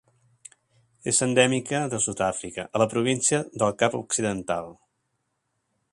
És endèmica de Sud-àfrica a la província del Cap Occidental.